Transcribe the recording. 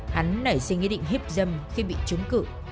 hắn nảy sinh ý định hiếp dâm khi bị chống cử